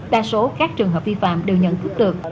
đa số các trường hợp vi phạm đều nhận thức được